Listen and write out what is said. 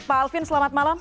pak alvin selamat malam